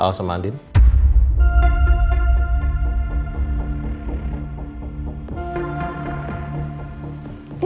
yang berubah menjadi kejahatan